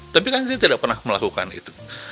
tapi kan saya tidak pernah melakukan itu